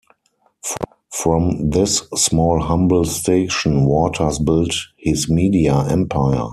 From this small humble station, Waters built his media empire.